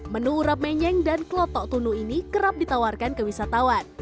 menu urap menyeng dan kelotok tunu ini kerap ditawarkan ke wisatawan